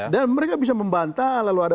dan mereka bisa membantah lalu ada